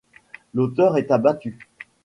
L'auteur est abattu.